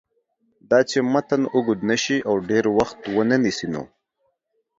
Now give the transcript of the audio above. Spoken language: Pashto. داچې متن اوږد نشي او ډېر وخت ونه نیسي نو